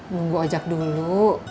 tunggu ojak dulu